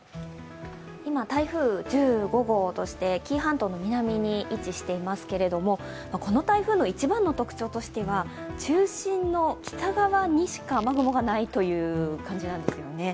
今、台風１５号として紀伊半島の南に位置していますけどこの台風の一番の特徴としては、中心の北側にしか雨雲がないという感じなんですよね。